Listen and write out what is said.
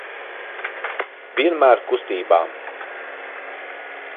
Vienmēr kustībā.